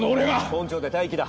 本庁で待機だ。